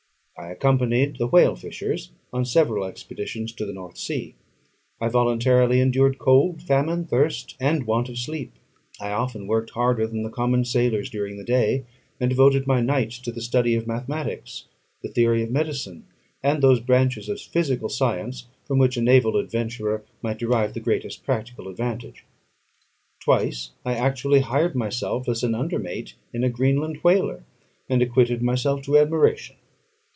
I accompanied the whale fishers on several expeditions to the North Sea; I voluntarily endured cold, famine, thirst, and want of sleep; I often worked harder than the common sailors during the day, and devoted my nights to the study of mathematics, the theory of medicine, and those branches of physical science from which a naval adventurer might derive the greatest practical advantage. Twice I actually hired myself as an under mate in a Greenland whaler, and acquitted myself to admiration.